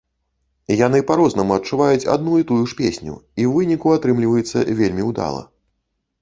Яны па-рознаму адчуваюць адну і тую ж песню, і ў выніку атрымліваецца вельмі ўдала.